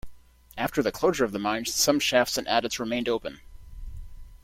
After the closure of the mine, some shafts and adits remained open.